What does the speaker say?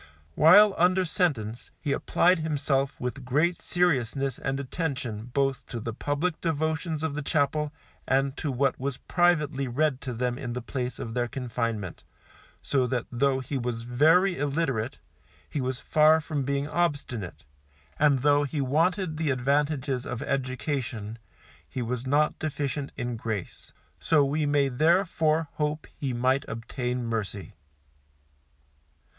While under sentence, he applied himself with great seriousness and attention both to the public devotions of the chapel and to what was privately read to them in the place of their confinement, so that though he was very illiterate, he was far from being obstinate, and though he wanted the advantages of education, he was not deficient in grace, so we may therefore hope he might obtain mercy.